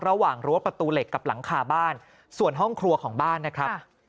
รั้วประตูเหล็กกับหลังคาบ้านส่วนห้องครัวของบ้านนะครับ